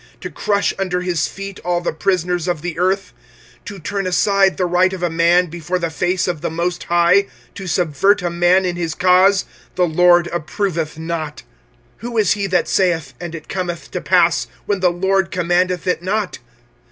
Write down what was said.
25:003:034 To crush under his feet all the prisoners of the earth. 25:003:035 To turn aside the right of a man before the face of the most High, 25:003:036 To subvert a man in his cause, the LORD approveth not. 25:003:037 Who is he that saith, and it cometh to pass, when the Lord commandeth it not?